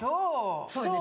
そうよね